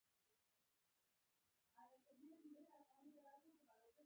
د مومو حکومت په اړه په ورځپاڼه کې حقایق روښانه شول.